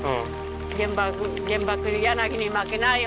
原爆柳に負けないようにね